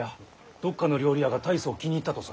どっかの料理屋が大層気に入ったとさ。